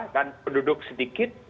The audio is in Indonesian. dan penduduk sedikit